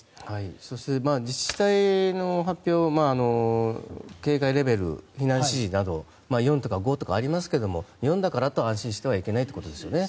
そして、自治体の発表警戒レベル、避難指示など４とか５とかありますが４だからと安心してはいけないということですよね。